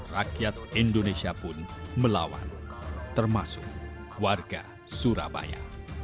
rakyat indonesia pun melawan termasuk warga surabaya